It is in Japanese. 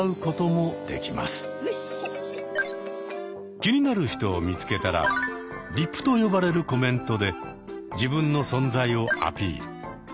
気になる人を見つけたら「リプ」と呼ばれるコメントで自分の存在をアピール。